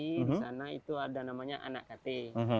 di sana itu ada namanya anak kt